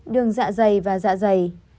đường dạ dày và dạ dày